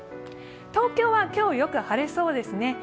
東京は今日、よく晴れそうですね。